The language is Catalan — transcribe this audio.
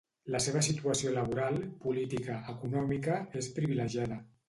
La seva situació laboral, política, econòmica, és privilegiada.